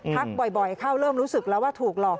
บ่อยเข้าเริ่มรู้สึกแล้วว่าถูกหลอก